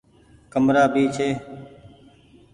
ڪمرآ ڀي ڇي ۔